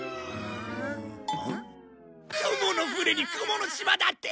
雲の舟に雲の島だって！